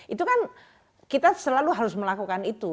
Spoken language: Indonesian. itu kan kita selalu harus melakukan itu